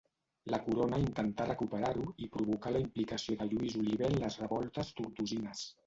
La corona intentà recuperar-ho i provocà la implicació de Lluís Oliver en les revoltes tortosines.